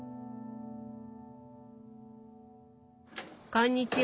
こんにちは。